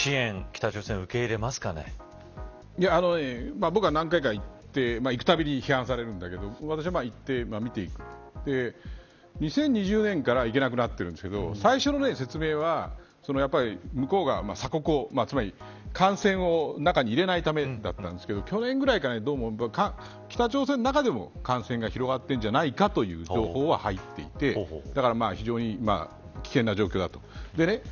北朝鮮僕は何回か行って行くたびに批判されるんだけど２０２０年から行けなくなっているんだけど最初の説明は向こうが鎖国をつまり感染を中に入れないためだったんですけど去年ぐらいから北朝鮮の中でも感染が広がっているんじゃないかという情報が入っていてだから非常に危険な状況だと。